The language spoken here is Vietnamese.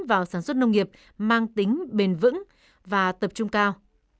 vào sản xuất nông nghiệp mang tính bền vững và tập trung cao